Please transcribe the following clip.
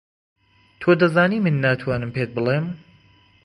تۆ دەزانی من ناتوانم پێت بڵێم.